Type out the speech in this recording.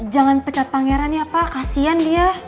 jangan pecat pangeran ya pak kasian dia